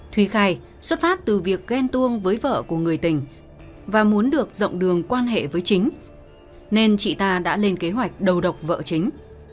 thúy khai xuất phát từ việc ghen tuông với vợ của người tình và muốn được rộng đường quan hệ với chính nên chị ta đã lên kế hoạch đầu độc vợ chính